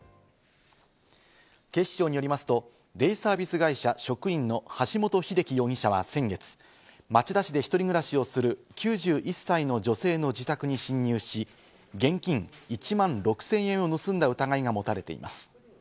警視庁によりますと、デイサービス会社職員の橋本英樹容疑者は先月、町田市で一人暮らしをする９１歳の女性の自宅に侵入し、現金１万６０００円を盗んだ疑いが持たれています。